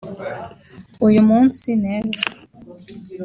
uyu munsi n’ejo